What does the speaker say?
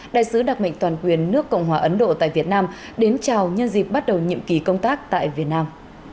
đại sứ đặc mệnh toàn quyền nước cộng hòa ấn độ tại việt nam đến chào nhân dịp bắt đầu nhiệm kỳ công tác tại việt nam